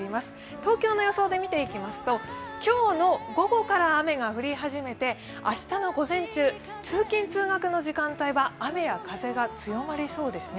東京の予想で見ていきますと、今日の午後から雨が降り始めて明日の午前中、通勤・通学の時間帯は雨や風が強まりそうですね。